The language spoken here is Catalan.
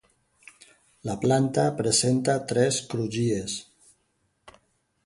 La planta presenta tres crugies.